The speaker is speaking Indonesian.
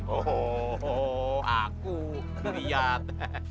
oh aku buriat